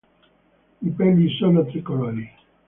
I peli sono tricolori.